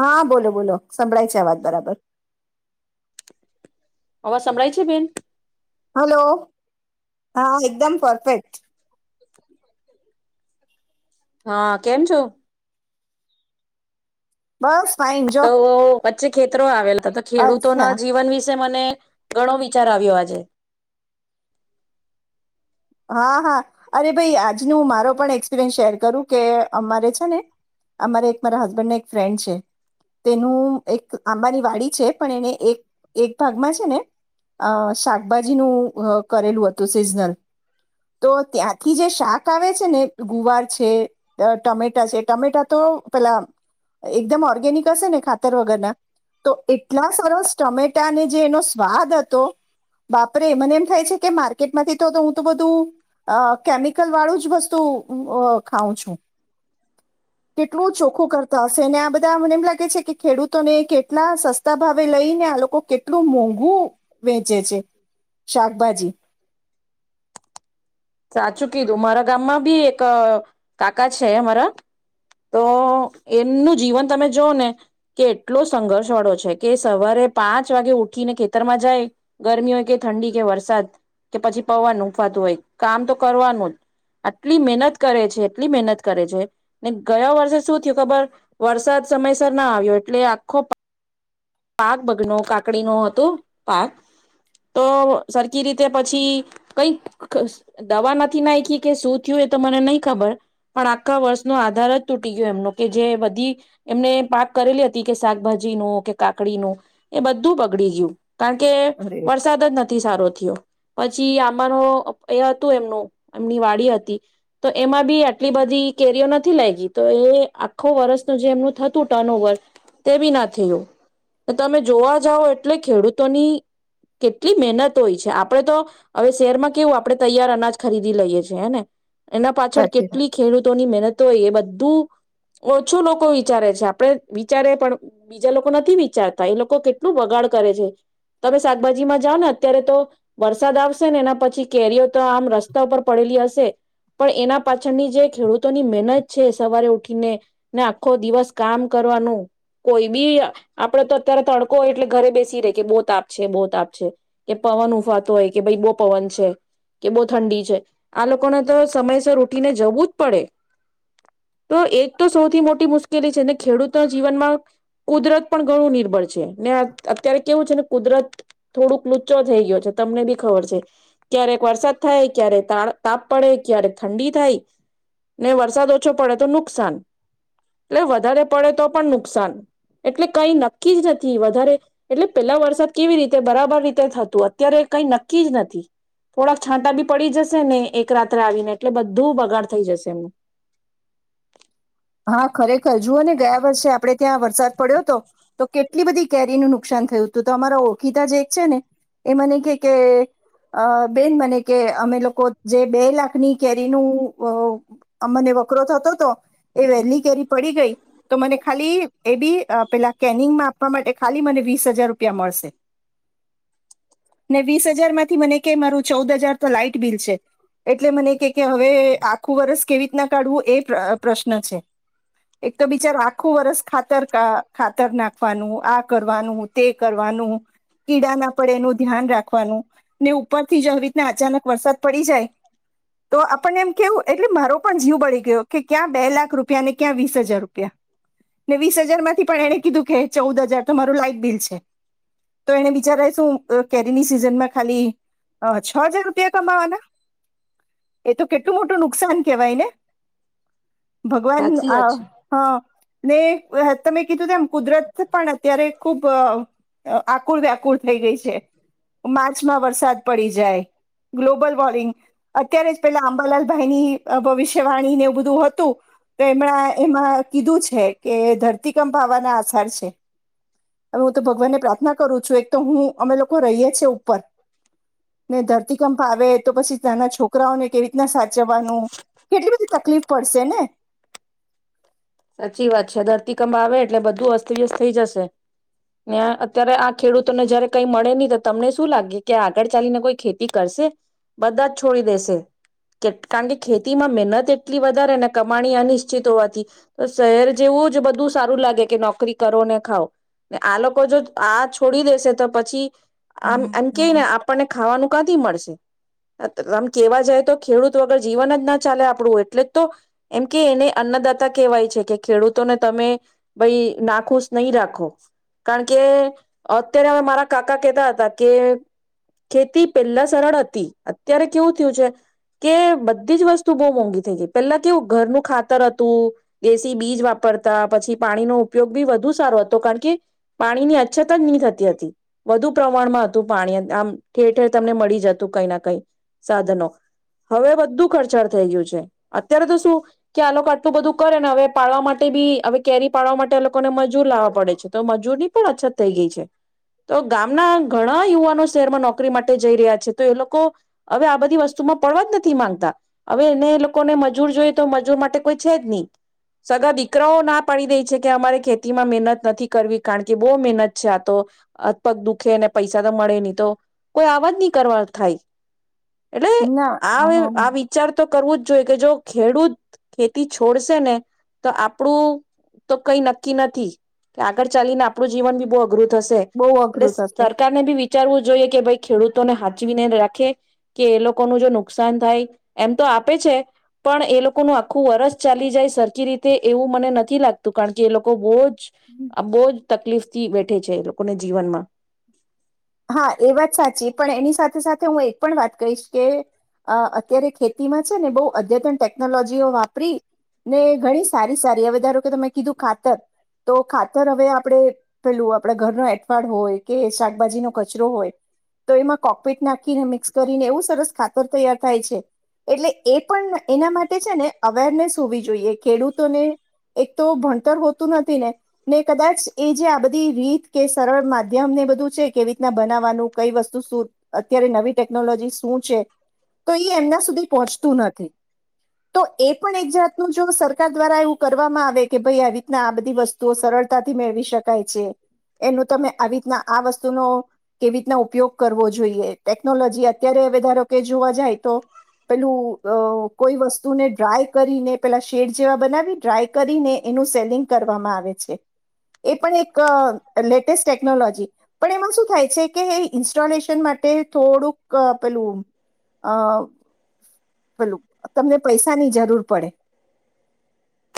હા બોલો બોલો સંભળાય છે આ વાત બરાબર અવા સાંભળાય છે બેન હલો હા એકદમ પરફેક્ટ [unintelligible] હા કેમ છો બસ ફાઈન જો તો વચ્ચે ખેતરો આવેલા તોતો ખેડૂતો અચ્છા ના જીવન વિ મને ઘણો વિચાર આવ્યો આજે હા હા અરે ભાઈ આજનું મારો પણ એક્સપિરિયન્સ શેર કરું કે અમારે છે ને અમારે એક મારા હસબન્ડને એક ફ્રેન્ડ છે તેનું એક આંબાની વાડી છે પણ એને એક એક ભાગમાં છે ને અ શાકભાજીનું કરેલું હતું સિઝનલ. તો ત્યાંથી જે શાક આવે છે ને ગુવાર છે ટમેટા છે ટમેટા તો પેલા એકદમ ઓર્ગેનિક હશે ને ખાતર વગરના તો એટલા સરસ ટમેટાને જે એનો સ્વાદ હતો બાપરે મને એમ થાય છે કે માર્કેટમાંથી તો. તો બધું અ કેમિકલ વાળું જ વસ્તુ ખાઉ છું કેટલું ચોખ્ખું કરતા હશે ને આ બધા મને એમ લાગે છે કે ખેડૂતોને કેટલા સસ્તા ભાવે લઈ ને આ લોકો કેટલું મોઘું. વેચે છે શાકભાજી. સાચું કીધું મારા ગામમાં બી એક કાકા છે મારા તો એમનું જીવન તમે જોઓ ને કે એટલો સંઘર્ષ વાળો છે કે સવારે પાંચ વાગે ઉઠીને ખેતરમાં જાય ગરમી હોય કે ઠંડી કે વરસાદ કે પછી પવન ઉખવાતું હોય. કામ તો કરવાનું જ આટલી મહેનત કરે છે એટલી મહેનત કરે છે ને ગયા વર્ષે શું થયું ખબર વરસાદ સમયસર ના આવ્યો એટલે આખો. પાક બગનો કાકડી ન હતું પાક તો સરખી રીતે પછી કઈક દવા નથી નાખી કે શું થયું એ તો મને નહી ખબર પણ આખા વર્ષનો આધાર જ તૂટી ગયો એમનો કે જે બધી એમને પાક કરેલી હતી. [unintelligible] શાકભાજીનું કે કાકડીનું એ બધું બગડી ગયું કારણ કે અરે વરસાદ જ નથી સારો થયો. પછી આંબાનું એ હતું એમનું એમની વાડી હતી તો એમાં બી આટલી બધી કેરીઓ નથી લાગ ગી તો એ આખો વર્ષ ન જે એમનું થતું ટર્ન ઓવર તે બી ના થયું. તમે જોવા જાઓ એટલે ખેડૂતોની કેટલી મહેનત હોય છે. આપડે તો હવે શહેરમાં કેવું આપણે તૈયાર અનાજ ખરીદી લઈએ છે. હે ને. એના પાછળ સાચી વાત. કેટલી ખેડૂતોની મહેનત તો એ બધું ઓછું લોકો વિચારે છે. આપણે વિચારે પણ બીજા લોકો નથી વિચાર વિચારતા એ લોકો કેટલું બગાડ કરે છે. તમે શાકભાજીમાં જાઓ ને અત્યારે તો વરસાદ આવશે ને એના પછી કેરીઓ તો આમ રસ્તા ઉપર પડેલી હશે પણ એના પાછળની જે ખેડૂતોની મહેનત છે. સવારે ઉઠીને ને આખો દિવસ કામ કરવાનું. કોઈ બી અ આપડે તો અત્યારે તડકો હોય એટલે ઘરે બેસી રે કે બો તાપ છે બો તાપ છે, કે પવન ઉફાતો હોય કે ભાઈ બો પવન છે, કે બો ઠંડી છે. આ લોકોને તો સમયસર ઉઠીને જવું જ પડે તો એક તો સૌથી મોટી મુશ્કેલી છે, ને ખેડૂતો જીવનમાં કુદરત પણ ઘણું નિર્ભર છે. ને અત્યારે કેવું છે ને કુદરત થોડુંક લુચ્ચો થઈ ગયો છે તમને બી ખબર છે ક્યારેક વરસાદ થાય ક્યારેક તાપ પડે ક્યારેક ઠંડી થાય ને વરસાદ ઓછો પડે તો નુકસાન, એટલે વધારે પડે તો પણ નુકસાન એટલે કઈ નક્કી જ નથી વધારે એટલે પેલા વરસાદ કેવી રીતે બરાબર રીતે થતું અત્યારે કઈ નક્કી જ નથી થોડાક છાંટા બી પડી જશે ને એક રાત્રે આવીને એટલે બધું બગાડ થઈ જશે એમનું હા ખરેખર જુઓ ને ગયા વર્ષે આપણે ત્યાં વરસાદ પડ્યો હતો, તો કેટલી બધી કેરીનું નુકસાન થયું હતું તો અમારા ઓખિતા જે એક છે ને એ મને કે કે બેન મને કે અમે લોકો જે બે લાખની કેરીનું અમને વકરો થતો હતો. એ વહેલી કેરી પડી ગઈ તો મને ખાલી, એ બી પેલા કેનિંગમાં આપવા માટે ખાલી મને વીસ હજાર રૂપિયા મળશે. ને વીસ હજારમાંથી મને કે મારું ચૌદ હજાર તો લાાઈટ બિલ છે. એટલે મને કે કે હવે આખું વરસ કેવી રીતના કાઢવું એ પ્રશ્ન ન છે. એક તો બિચારો આખું વરસ ખાતર ખાતર નાખવાનું, આ કરવાનું, તે કરવાનું, કીડા ના પડે એનું ધ્યાન રાખવાનું ને ઉપરથી જો આવી રીતના અચાનક વરસાદ પડી જાય તો આપણને એમ કેવું, એટલે મારો પણ જીવ બળી ગયો કે ક્યાં. બે લાખ રૂપિયાને ક્યાં વીસ હજાર રૂપિયા, ને વીસ હજારમાંથી પણ એને કીધું કે ચૌદ હજાર તોરું લાઈટ બિલ છે તો એને બિચારા શું કેરીની સિઝનમાં ખાલી છ હજાર રૂપિયા કમાવાના? એ તો કેટલું મોટું નુકસાન કેવાય ને. ભગવાન સાચી વાત આ છે હા. ને [unintelligible] તમે કીધું તેમ કુદરત પણ અત્યારે ખુબ આકુળ વ્યાકુળ. થઈ ગઈ છે. મા ર્ચ માં વરસાદ પડી જાય. ગ્લોબલ વોર્મિંગ અત્યારે જ પેલા આંબાલાલભાઈની ભવિષ્ય વાણીને એ બધું હોત તો એમણા એમાં કીધું છે કે ધરતીકંપ આવવાના આસાર છે. હવે હું તો ભગવાનને પ્રાર્થના કરું છું, એક તો હું અમે લોકો રહીએ છેએ ઉપર ને ધરતીકંપ આવેે તો પછી તંના છોકરાઓને કેવી રીતના સાચવવાનું કેટલી બધી તકલીફ [unintelligible] સાચી વાત છે. ધરતી ધરતીકંપ આવે એટલે બધું અસ્તવ્યસ્ત થઈ જશે. ને આ અત્યારે આ ખેડૂતોને જયારે કઈ મળે નહી તો તમને શું લાગે કે આગળ ચાલીને કોઈ ખેતી કરશે? બધા જ છોડી દેશે કારણ કે ખેતીમાં મહેનત એટલી એટ વધારે ને કમાણી અનિશ્ચિત હોવાથી તો શહેર જેવું જ બધું સારું લાગે કે નોકરી કરો ને ખાઓ. ને આ લોકો જો આ છોડી દેશે તો પછી આમ એમ કે ને આપણને ખાવાનું કાંથી મળશે? આમ કેવા જાય તો ખેડૂત વગર જીવન જ ના ચાલે આપણું. એટલે તો એમ કે એને અન્નદાતા કેહેવાય છે કે ખેડૂતોને તમે ભાઈ નાખુશ નહી રાખો, કારણ કે અત્યારે મારા કાકા કેહેતા હતા કે ખેતી પેલા સરળ હતી, અત્યારે કેવું થયું છે કે બધી જ વસ્તુ બહુ મોંઘી થઇ ગઈ પેલા કેવું ઘરનું ખાતર હતું. દેશી બીજ વાપરતા પછી પાણીનો ઉપયોગ બી વધુ સારો હતો, કારણ કે પાણીની અછત જ નહી થતી હતી વધુ પ્રમાણમાં હતું પાણી આમ ઠેર-ઠેર તમને મળી જતું કઈ ના કઈ સાધનો. હવે બધુ ખર્ચાળ થઈ ગયું છે. અત્યારે તો શું કે આ લોકો આટલું બધું કરે ને હવે પાડવા માટે બી હવે કેરી પાડવા માટે એ લોકોને મજૂર લાવવા પડે છે, તો મજૂરની પણ અછત થઈ ગઈ છે તો ગામના ઘણા યુવાનો શહેરમાં નોકરી માટે જઈ રહ્યા છે તો એ લોકો હવે આ બધી વસ્તુમાં પડવા જ નથી માંગતા. હવે એને એ લોકો ને એ લોકોને મજૂર જોઈ તો મજૂર માટે કોઈ છે જ નહી. સગા દીકરાઓ ના પાડી દે છે, કે અમારે ખેતીમાં મહેનત નથી કરવી કારણ કે બો મહેનત છે, આ તો હાથ પગ દુખેને પૈસા તો મળે નહી તો કોઈ આવાજ નહી કરવા થાય. એટલે ના આ આ વિચાર તો કરવું. [unintelligible] જો ખેડૂત ખેતી છોડશે ને તો આપણું તો કઈ નક્કી નથી કે આગળ ચાલીને આપણું જીવન બી બો અઘરું થઈ જશે બહુ એટલે અઘરું થશે સરકારને બી વિચારવું જોઈએ કે ભાઈ ખેડૂત ખેડૂતોને સાચવીને રાખે કે એ લોકો ન જો નુકસાન થાય. એમ તો આપે છે. પણ એ લોકોનું આખું વરષ ચાલી જાય સરખી રીતે એવું મને નથી લાગતું કારણ કે એ લોકો બહુજ બહુ જ તકલીફથી વેઠે છે એ લોકોને જીવનમાં હા એ વાત સાચી પણ એની સાથે સાથે સાથે હું એક પણ વાત કરીહીશ કે અત્યારે ખેતીમાં છે ને બહુ અદ્યતન ટેકનોલોજીઓ વાપરી ને ઘણી સારી સારી હવે ધારો કે તમે કીધું ખાતર તો ખાતર હવે આપણે પેલું આપડા ઘરનો હઠવાડ હોય કે શાકભાજીનો રો હોય તો એ કોકપીટ નાખીને મિક્સ કરીને એવું સરસ ખાતર તૈયાર થાય છે એટલે એ પણ એના માટે છે ને અવેરનેસ હોવી જોઈ. જોઈ ખેડૂતોને એક તો ભણ તું નથી ને ને કદાચ એ જે આ બધી રીત કે સરળ માધ્યમને બધું છે કે. બનાવવાનું કઈ વસ્તુ શ અત્યારે નવી ટેકનોલોજી શું છે તો એ એમના સુધી પહોંચતું નથી તો. એ પણ એક જાતનુંું જો સરકાર દ્વારા એવું. કરવામાં આવે કે ભાઈ આવી રીતના આ બધી વસ્તુઓ સરળતાથી મેળવી શકાય છે એનું તમે આવી રીતના આ વસ્તુનો. કેવી રીતના ઉપયોગ કરવો જોઈએ ટેકનોલોજી અત્યારે હવે ધારો કે જોવા જાય તો પેલું કોઈ વસ્તુને ડ્રાય કરીને પેલા શેડ જેવા બનાવી ડ્રાય કરીને એનું સેલિંગ કરવામાં આવે છે એ પણ એક લેટેસ્ટ ટેકનોલોજી પણ એમાં શ. કે ઇન્સ્ટોલેશન માટે થોડુંક પેલું પેલું તમને પૈસાની જરૂર પડે.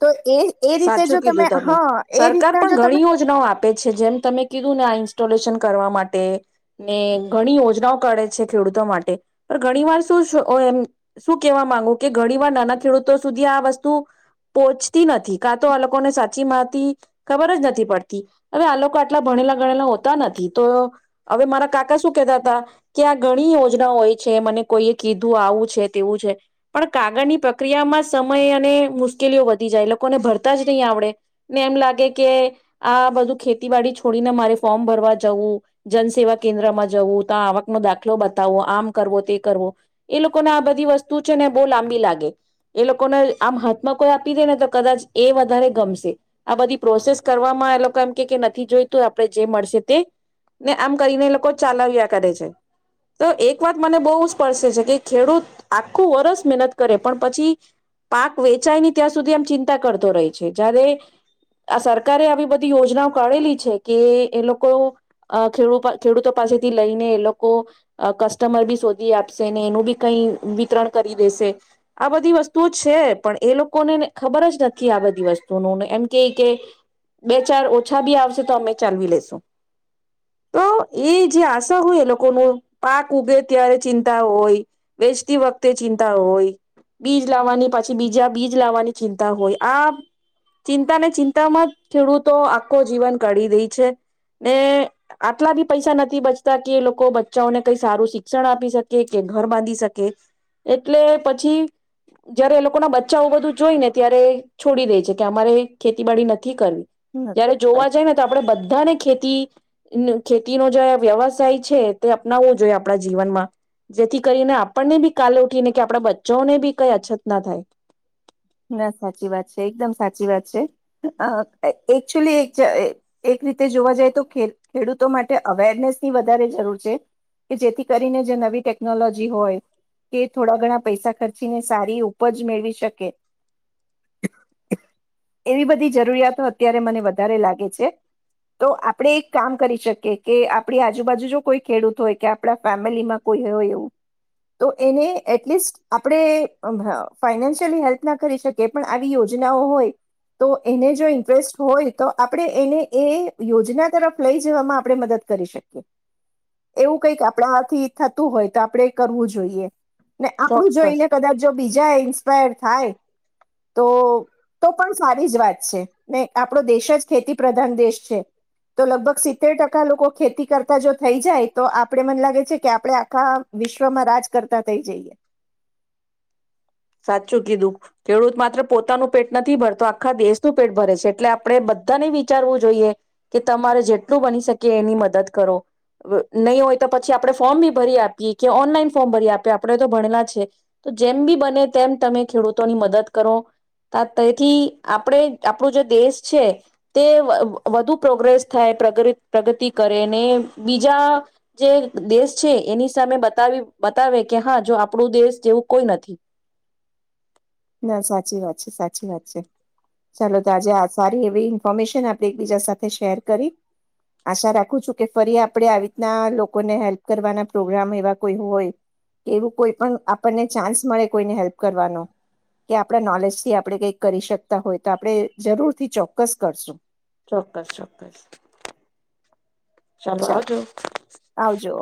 તો એ એ રીતે સાચું જો કીધું તમે હા એ સરકાર રીતના પણ જો ઘણી તમે યોજનાઓ આપે છે જેમ તમે કીધું ને આ ઇન્સ્ટોલે. કરવા માટે ને ઘણી યોજનાઓ કરે છે ખેડૂતો માટે પણ ઘણી વાર શું એમ શું કેવા માંગુ કે ઘણી વાર નાના ખેડૂતો સુધી આ વસ્તુ. પોહોચતી નથી કાં તો આ લોકોને સાચી માંતી ખબર જ નથી પડતી હવે આ લોકો આટલા ભણેલા ગણેલા હોતા નથી તો હવે મારા કાકા શું કેહેતા હતા કે આ ઘણી યોજના હોય છે મને કોઈએ કીધું આવું છે તેવું છે પણ કાગળની પ્રક્રિયામાં સમય અને મુ. મુશ્કેલીઓ વધી જાય લોકોને ભરતા જ નહીં આવડે ને એમ લાગે કે આ બધું ખેતીવાડી છોડીને મારે ફોર્મ ભરવા જવું જનસેવા કેન્દ્રમાં જવું તો આવક ન દાખલો બતાવો આમ કરવો તે કરવો એ લોકોને આ બધી વસ્તુ છે ને બહુ લાંબી લાગે એ લોકોને આમ. કોઈ આપી દે ને તો કદાચ એ વધારે ગમશે આ બધી પ્રોસેસ કરવામાં એ લોકો એમ કે નથી જોઈતું આપણે જે મળશે તે ને આમ કરીને એ લોકો ચલાવ્યા કરે છે તો એક વાત મને બહુ સ્પર્શે છે કે ખેડૂત આખું વર્ષ મહેનત કરે પણ પછી પાક વેચ. વંચાય નહી ત્યાં સુધી આમ ચિંતા કરતો રહે છે જયારે આ સરકારે આવી બધી યોજનાઓ કાઢેલી છે કે એ લોકો ખડૂ ખેડૂતો પાસેથી લઈને એ લોકો કસ્ટમર બી શોધી આપશે ને એનું બી કઈ વિતરણ કરી દેશે આ બધી વસ્તુઓ છે. પણ એ લોકોને ખબર જ નથી આ બધી વસ્તુનુંને એમ કે કે બે ચાર ઓછા બી આવશે તો અમે ચાલવી લેશું તો એ જે આશા હોય એ લોકો ન પાક ઉગે ત્યારે ચિંતા હોય વેચતી વખતે ચિંતા હોય બીજ લાવવાની પાછી. બીજા બીજ લાવવાની ચિંતા હોય આ ચિંતા ને ચિંતામાં ખેડૂતો આખો જીવન કાઢ દે છે ને આટલા બી પૈસા નથી બચતા કે એ લોકો બચ્ચાઓને કઈ સારું શિક્ષણ આપી શકે કે ઘર બાંધી શકે એટલે પછી જયારે લોકો. લોકો ના બચ્ચાઓ બધું જોઈ ને ત્યારે છોડી દે છે કે અમારે ખેતીબડી નથી. કરવી ન જય્યારે સા- જોવા જાય ને તો આપણેે બધાને ખેતી. ખેતીનો જે વ્યવસાય છે તે અપનાવવો જોઈએ આપણા જીવનમાં જેથી કરીને આપણને બી કાલે ઉઠીને કે આપણા બચ્ચાઓને બી કઈ અછત ના થાય. ના સાચી વાત છે એકદમ સાચી વાત છે એકચુલી એક એક રીતે જોવા જાય તો ખેડૂતો માટે અવેરનેસની વધારે જરૂર છે કે જેથી કરીને જે નવી ટેકનોલોજી હોય કે થોડા ઘણા પૈસા ખર્ચીને સારી ઉપજ મેળવી શકે. એવી બધી જરૂરિયાતો અત્યારે મને વધારે લાગે છે તો આપણે એક કામ કરી શકીએ કે આપણી આજુબાજુ જો કોઈ ખેડૂત હોય કે આપણા ફેમિલીમાં કોઈ હોય એવું તો એને એટલીસ્ટ આપણે ફાઈનાન્શિયલી હેલ્પ. ના કરી શકીએ પણ આવી યોજનાઓ હોય તો એને જો ઇન્ટરેસ્ટ હોય તો આપણે એને એ યોજના તરફ લઈ જવામાં આપણે મદદ કરી શકીએ એવું કઈક આપણાથી થતું હોય તો આપણે કરવું જોઈએ. ને આપડું ચોક્કસ જોઈને કદાચ જો બીજા એન્. એક્પાયર થાય. તો તો પણ સારી જ વાત છે ને આપણો દેશ જ ખેતી પ્રધાન દેશ છે તો લગભગ સિત્તેર ટકા લોકો ખેતી કરતા જોતા. થઈ જાય તો આપણે મને લાગે છે કે આપણે આખા વિશ્વમાં રાજ કરતા થઈ જઈએ. સાચું કીધું ખેડૂત માત્ર પોતાનું પેટ નથી ભરતો આખા દેશનું પેટ ભરે છે એટલે આપણે બધાને વિચારવું જોઈએ કે તમારે જેટલું બની શકે એની મદદ કરો. નહીં હોય તો પછી આપણે ફોર્મ બી ભરી આપીએ કે ઓનલાઈન ફોર્મ ભરી આપએ આપણે તો ભણેલા છે તો જેમ બી બને તેમ તમે ખેડૂતોની મદદ કરો તેથી આપણે આપણું જે દેશ છે તે વધુ પ્રોગ્રેસ થાયગ પ્રગતિ કરે ને. બીજા જે દેશ છે એની સામે બતાવી બતાવે કે હા જો આપણું દેશ જેવું કોઈ નથી. ના સાચી વાત છે સાચી વાત છે ચાલો તો આજે સારી એવી ઈન્ફોર્મેશન આપણે એકબીજા સાથે શેર કરી આશા રાખું છું કે ફરી આપણે આવી રીતના લોકોને હેલ્પ કરવાના પ્રોગ્રામ એવા કોઈ હોય કે એવું કોઈ પણ આપણને ચાન્સ મળે કોઈને હેલ્પ કરવાનો. કે આપણા નોલેજ થી આપણે કઈક કરી શકતા હોય તો આપણે જરૂર થી ચોક્કસ કરશું. ચોક્કસ ચોક્કસ. ચાલો ચાલજું. આવજો.